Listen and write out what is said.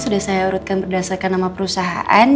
sudah saya urutkan berdasarkan nama perusahaan